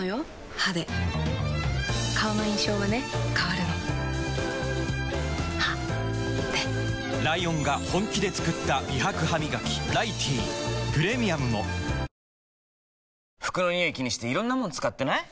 歯で顔の印象はね変わるの歯でライオンが本気で作った美白ハミガキ「ライティー」プレミアムも服のニオイ気にしていろんなもの使ってない？